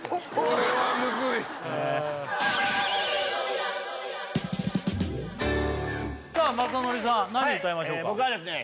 これはムズいさあ雅紀さん何歌いましょうか僕はですね